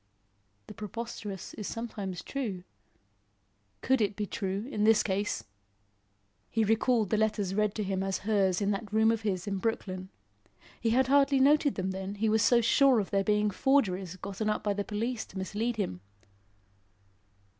The preposterous is sometimes true; could it be true in this case? He recalled the letters read to him as hers in that room of his in Brooklyn. He had hardly noted them then, he was so sure of their being forgeries, gotten up by the police to mislead him.